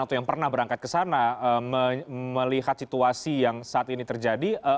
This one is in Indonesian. atau yang pernah berangkat ke sana melihat situasi yang saat ini terjadi